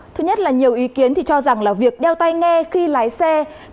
thứ nhất là nhiều ý kiến cho rằng việc đeo tay nghe khi lái xe